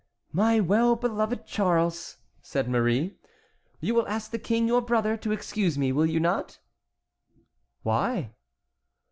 "My well beloved Charles," said Marie, "you will ask the king your brother to excuse me, will you not?" "Why?"